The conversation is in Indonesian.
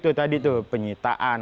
tuh tadi tuh penyitaan